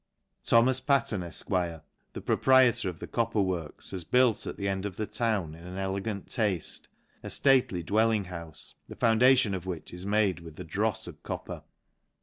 "Thomas Patten, Efq; the proprietor of the copper works, has built at the end of the town, in an elegant tafte, a irately dwelling houfe, the foundation "of which is made with the drofs of copper.